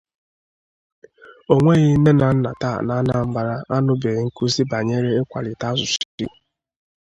O nweghị nne na nna taa n'Anambra anụbeghị nkụzi banyere ịkwalite asụsụ Igbo